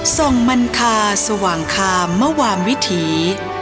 ส่งมันคาสว่างคามมวามวิถี